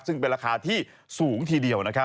ซึ่งเป็นราคาที่สูงทีเดียว